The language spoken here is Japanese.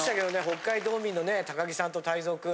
北海道民のね木さんと太蔵君。